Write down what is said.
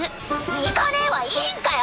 ニカねえはいいんかよ